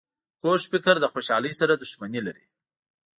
کوږ فکر له خوشحالۍ سره دښمني لري